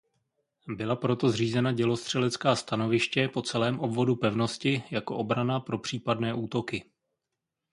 Byla proto zřízena dělostřelecká stanoviště po celém obvodu pevnosti jako obrana pro případné útoky.